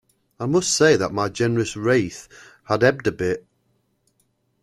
I must say that my generous wrath had ebbed a bit.